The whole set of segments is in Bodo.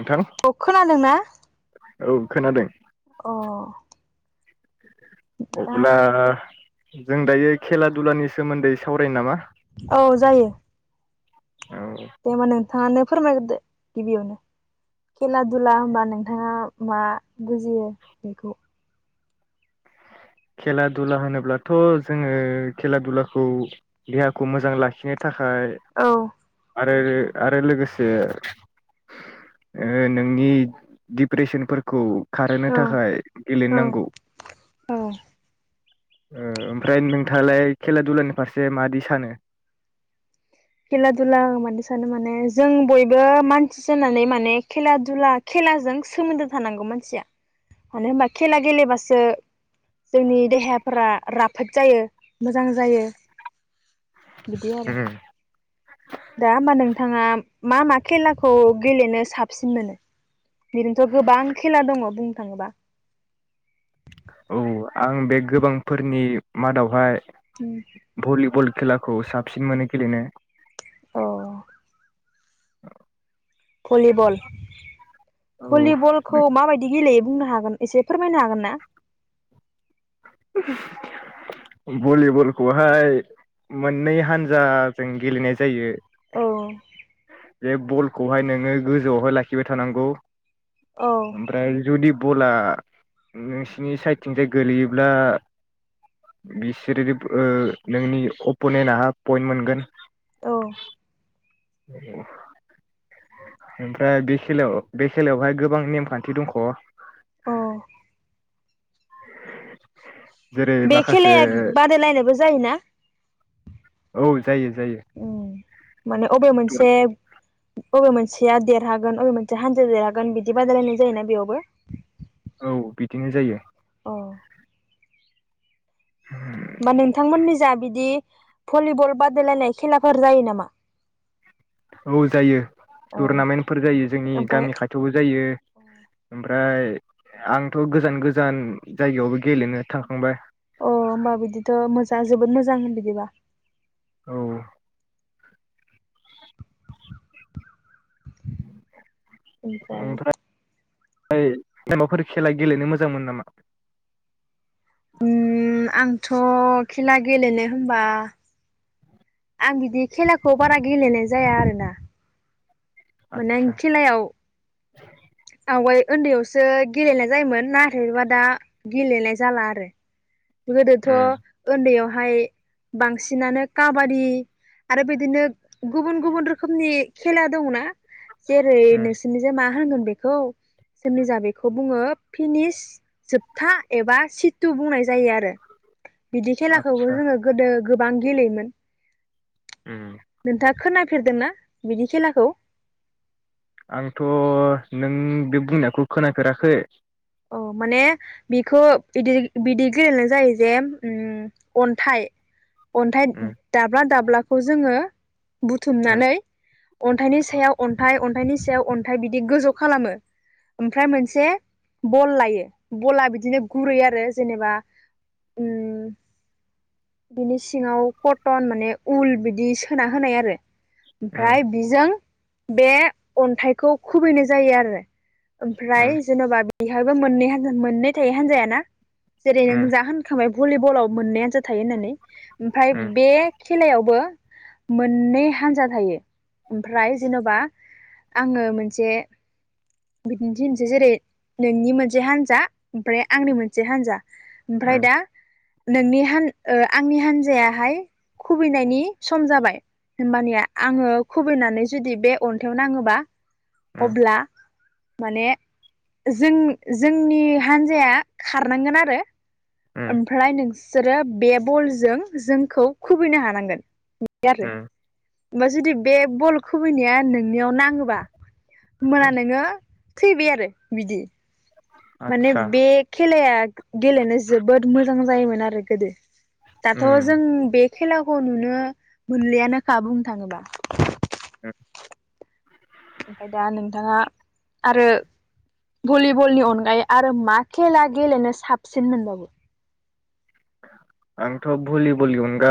नोंथां अ खोनादोंना? औ खोनादों अ दा अबोला जों दायो खेला दुलानि सोमोन्दै सावरायनि नामा औ जायो औ थांङानो फोरमायग्रोदो गिबियावनो खेला दुला होनबा नोंथांङा मा बुजियो बेखौ खेला दुला होनोब्लाथ' जोंङो खेला दुलाखौ देहाखौ मोजां लाखिनो थाख खाय औ आरो आरो लोगोसे ओ नोंनि डिप्रेसनफोरखौ खारहोनो थाखाय औ गेलेनोनांगौ। औ ओ ओमफ्राय नोंथांङालाय खेला दुलानि फारसे मादि सानो? खेला दुला मादि सानो माने जों बयबो मानसि जानानै माने खेला दुला खेलाजों सोमोन्दो थानांगौ मानसिया मानो होनबा खेला गेलेबासो जोंनि देहाफोरा राफोद जायो मोजां जायो। बिदि आरो दा होमबा नोंथांङा मा मा खेलाखौ गेलेनो साबसिन मोनो? बेदिनोथ' गोबां खेला दंङ बुंनो थाङोबा। औ आं बे गोबांफोरनि मादावहाय भलिबल खेला खौ साबसिन मोनो गेलेनो अ [inaudible] भलिबल औ भलिबलखौ माबायदि गेलेयो? बुंनो हागोन एसे फोरमायनो हागोन ना? भलिबलखौहाय मोननै हान्जाजों गेलेनाय जायो। औ औ बे बलखौहाय नोंङो गोजौआवहाय लाखिबाय थानांगौ। औ ओमफ्राय जुदि बला नोंसिनि साइदथिंजाय गोलैयो ब्ला बिसोरो ओ नोंनि अप'नेेन्ट पइन्ट मोनगोन। औ [inaudible] ओमफ्राय बे खेलायाव बे खेलायावहाय गोबां नेमखान्थि दंख' अ जेरै बे माखासे खेलाया बादायलायनायबो जायोना? औ जायो जायो औ माने अबे मोनसे अबे मोनसेया देरहागोन अबे मोनसेया हानजा देरहागोन बिदि बादायलायनाय जायोना बेयावबो? औ बिदिनो जायो। औ [inaudible] होनमा नोंथांमोननि जा बिदि भलिबल बादायलायनाय खेलाफोर जायो नामा? औ जायो औ टुरनामेन्टफोर जायो जोंनि ओमफ्राय गामि खाथियावबो जायो ओमफाय [unintelligible] आंथ गोजान गोजान जायगायावबो गेलेनो थांखांबाय। अ होमबा बिदिथ' मोजां जोबोद मोजां होन बिदिबा औ ओमफ्राय [unintelligible] माफोर खेला गेलेनो मोजां मोनो नामा? उम आंथ खेला गेलेनो होनबा आं बिदि खेलाखौ बारा गेलेनाय जाया आरोना। माने आं आदसा खेलायाव आवगाय ओन्दैयावसो गेलेनाय जायोमोन नाथायबा दा गेलेनाय जाला आरो गोदोथ उम ओन्दैयाव फाय बांसिनानो काबादि आरो बिदिनो गुबुन गुबुन रोखोमनि खेला दङना? जेरै उम नोंसोरनिजाय मा मा होनगोन बेखौ जोंनिजा बेखौ बुङो फिनिस जोबथा एबा सितु बुंनाय जायो आरो बिदि खेलाखौबो आदसा जोङो गोदो गोबां गेलेयोमोन। उम नोंथाङा खोना फेरदोंना बिदि खेलाखौ? आंथ नों बे बुंनायखौ खोनाफेराखै। औ माने बिखौ बिदि बिदि गेलेनाय जायो जे अन्थाइ। अन्थाइ उम दाब्ला दाब्ला खौ जोङो उम बुथुमनानै अन्थाइनि सायाव अन्थाइ अन्थायनि सायाव अन्थाइ बिदि गोजौ खालामो, ओमफ्राय मोनसे बल लायो, बला बिदिनो गुरै आरो जेनेबा ओम बिनि सिङाव कटन माने उल बिदि सोना होनाय आरो। उम ओमफ्राय बेजों बे अन्थाइखौ खुबैनाय जायो आरो। उम ओमफ्राय जेनबा बेहायबो मोननै मोननै थायो हान्जायाना? जेरै नों उम जा होनखाबाय भलिबलाव मोननै हानजा थायो होननानै। ओमफाय उम बे खेलायावबो मोननै हान्जा थायो ओमफ्राय जेन'बा आङो मोनसे बिदिनथि होनसै जेरै नोंनि मोनसे हान्जा ओमफ्राय आंनि मोनसे हान्जा। ओमफ्राय उम दा नोंनि हान ओ आंनि हान्जायाहाय खुबैनायनि सम जाबाय, होमबानिया आङो खुबैनानै जुदि बे अन्थायाइाव नाङोबा उम अब्ला माने जों जोंनि हान्जाया खारनांगोन आरो। उम ओमफ्राय नोंस सोरो बे बलजों जोंखौ खुबैनो हानांगोन बेआरो। उम ओमबा जुदि बे बल खुबैनाया नोंनियाव नाङोबा होयबाना उम नोङो। थैबाय आरो। बिदि माने आदसा बे खेलाया ग-गेलेनो जोबोद मोजां जायोमोन आरो गोदो। दाथ' जों उम बे खेलाखौ नुनो मोनलियानोखा बुंनो थाङोबा। [unintelligible] ओमफाय दा नोंथाङा आरो भलिबलनि अनगायै आरो मा खेला गेलेनो साबसिन मोनबावो। आंथ' भलिबलनि अनगा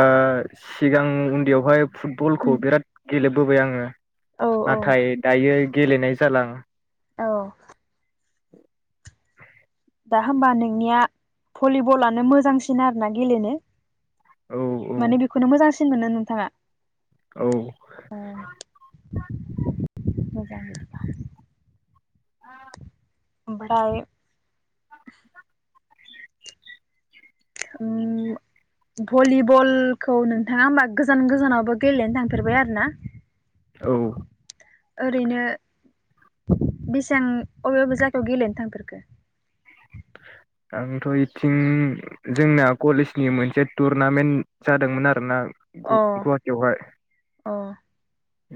सिगां उन्दैयावहाय फुटबलखौ उम बेराद गेलेबोबाय आङो। औ नाथाय औ दायो गेलेनाय जाला आं। औ। दा होमबा नोंनिया भलिबलानो मोजांसिन आरोना गेलेनो। औ औ माने बेखौनो मोजांसि सिन मोनो नोंथाङा? औ। मोजां बिदिबा। ओमफ्राय उम भलिबलखौ नोंथाङा होमबा गोजान गोजानावबो गेलेनो थांफेरबाय आरोना? औ ओरैनो बेसां अबे अबे जायगायाव गेलेनो थांफेरखो? आंथ' बेथिं जोंना कलेजनि मोनसे टुरनामेन्ट जादोंमोन आरोना। अ ग-गुवाहाटिआव हाय। अ'।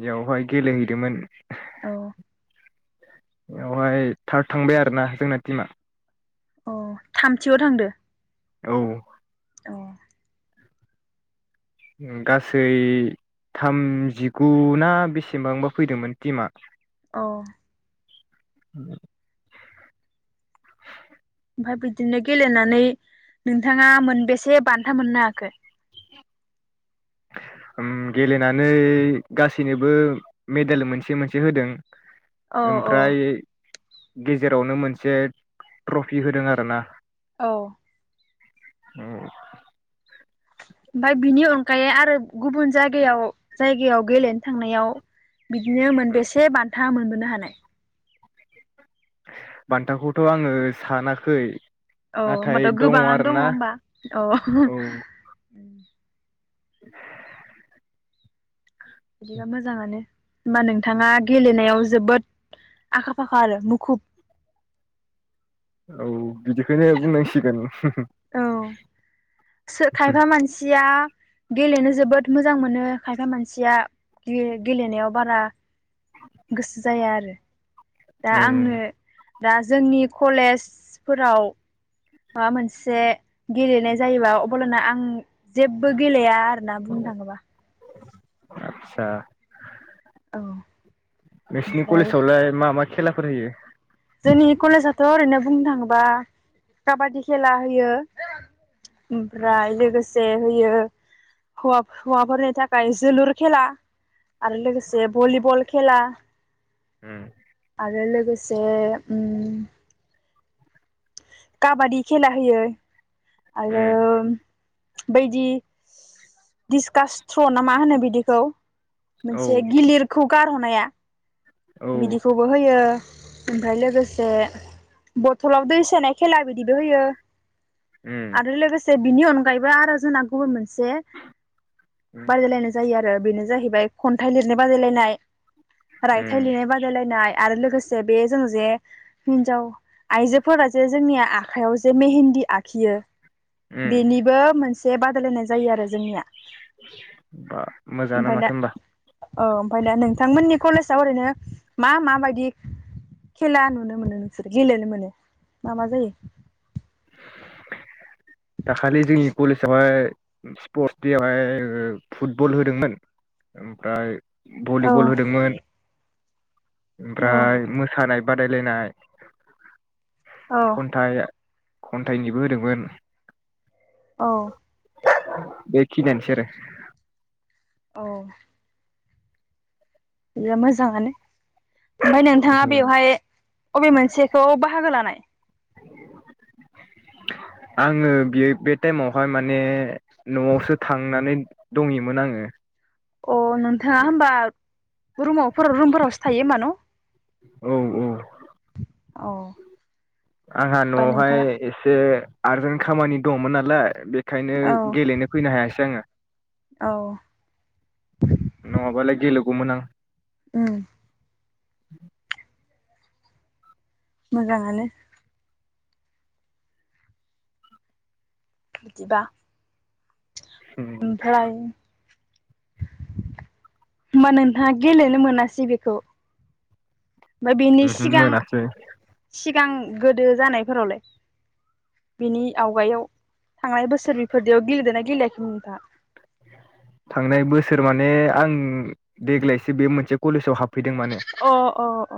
बेयावहाय गेलेहैदोंमोन। अ'। बेवहाय थार्द थांबाय आरोना जोंना टिमा। अ' थामथियाव थांदो। औ। अ गासै थामजिगु ना बेसेबांबा फैदोंमोन टिमा। अ'। [inaudible] ओमफ्राय बिदिनो गेलेनानै नोंथाङा मोनबेसे बान था मोननो हाखो? उम गेलेनानै गासैनोबो मेडेल मोनसे मोनसे होदों। औ ओमफ्राय गेजेरावनो मोनसे ट्रफि होदों आरोना। अ'। औ। ओमफ्राय बिनि अनगायै आरो गुबुन जायगायाव जायगायाव गेलेनो थांनायाव बिदिनो मोनबेसे बान था मोनबोनो हानाय? बान्थाखौथ' आङो सानाखै। अह नाथाय होमबाथ' गोबाङानो दङ आरोना होमबा अह। औ [inaudible] बिदिबा मोजाङानो होमबा नोंथाङा गेलेनायाव जोबोद आखा फाखा आरो मुखुब। औ बिदिखोनो बुंनांसिगोन। औ सो खायफा मानसिया। गेलेनो जोबोद मोजां मोनो खायफा मानसिया गे-गेलेनायाव बारा गोसो जाया आरो दा ओं आंनो दा जोंनि कलेजफोराव माबा मोनसे गेलेनाय जायोबा अब्ला ना आं जेबो गेलेया आरोना बुंनो थाङोबा। आदसा औ नोंसिनि ओमफ्राय कलेजावलाय मा मा खेलाफोर होयो? जोंनि कलेजआथ' ओरैनो बुंनो थाङोबा काबादि खेला होयो। ओमफ्राय लोस जे होयो हौवाब हौवाफोरनि थाखाय जोलुर खेला आरो लोगोसे भलिबल खेला। उम आरो लोगोसे उम काबादि खेला होयो। उम आरो बायदि डिसकासथ्र' ना मा होनो बिदिखौ औ मोनसे गिलिरखौ गारहर नाया बिदिखौबो होयो। ओमफाय लोगोसे बथलाव दैस सोनाय खेला बिदिबो होयो। उम आरो लोगोसेब बिनि अनगायैबो आरो जोंना गुबुन मोनस से उम बादायलायनाय जायो आर ओ बेनो जाहैबाय खन्थाइ लिरनाय बादायलायनाय। रायथाइ उम लिरनाय बादायलायनाय आरो लोगोसे बे जों जे हिनजाव आइजोफोरा जे जोंनि आखाइायाव जे मेहेन्दि आखियो उम बेनिबो मोनस से बादायलायनाय जायो आरो जोंनिया। बा ओमफ्राय मोजाङानो दा माथो होनबा। औ ओमफाय दा नोंथांमोननि कलेजाव ओरैनो मा माबायदि खेला नुनो मोनो नोंसोर गेलेनो मोनो? मा मा जायो? दाखालि जोंनि कलेजावहाय स्पर्टस देआवहाय फुटबल होदोंमोन ओमफ्राय औ भलिबल होदोंमोन। औ ओमफ्राय मोसानाय बादायलायनाय औ खन्थाइ खन्थाइनिबो होदोंमोन औ। [inaudible] खिनियानोसै आरो। औ। बेयो मोजाङानो। ओमफ्राय नोंथाङा आरो बेवहाय अबे मोनसेखौ बाहागो लानाय? आङो बे बे टाइमावहाय माने न'आवसो थांनानै दंहैयोमोन आङो। अ नोंथाङा होमबा रुमाव रुमफोरावसो थायो होमबा न'? औ औ। औ आंहा बा न'आवहाय नोंथाङा एसे आरजेन्ट खामानि दंमोन नालाय बे ओंखायनो औ गेलेनो फैनो हायासै आङो औ नङाबालाय गेले गौमोन आं। ओम [inaudible] मोजाङानो। बिदिबा। ओमफ्राय होमबा नोंथाङा गेलेनो मोनासै बेखौ। ओमफ्राय बेनि ओमहो सिगां मोनासै सि सिगां गोदो जानायफोरावलाय बिनि आवगायाव थांनाय बोसोर बेफोरदियाव गेलेदोंना गेलेयाखैमोन नोंथाङा? थांनाय बोसोर माने आं देग्लायसो बे मोनसे कलेजाव हाब अ अ अ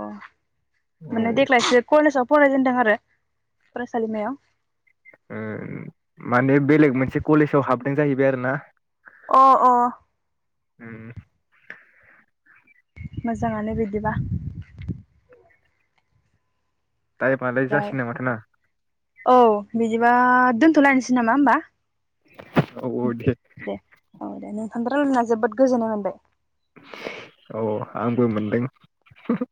औ माने देग्लायसो कलेजाव फरायजेनदों आरो फरायसालिमायाव। ओ माने बेलेग मोनसे कलेजाव हाब दों जाहैबाय आरो ना। अ अ उम मोजाङानो बिदिबा। टाइमालाय ओमफ्राय जासिगोन नामाथाय ना औ बि बिबा दोन्थ'लायनोसै नामा होमबा औ औ दे औ दे नोंथांजों रायलायना जोबोद गोजोननाय मोनबाय औ आंबो मोनदों